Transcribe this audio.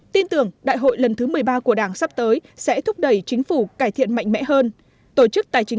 tin tưởng đại hội lần thứ một mươi ba của đảng sắp tới sẽ thúc đẩy chính phủ cải thiện mạnh mẽ hơn